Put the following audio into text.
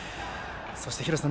そして廣瀬さん